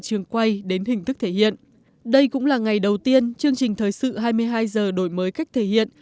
trường quay đến hình thức thể hiện đây cũng là ngày đầu tiên chương trình thời sự hai mươi hai h đổi mới cách thể hiện